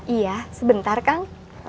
iya sebentar kang